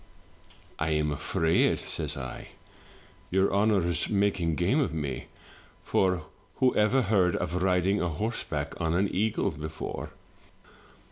" 'I am afraid,' says I, 'your honour's making game of me; for whoever heard of riding a horse back on an eagle before?'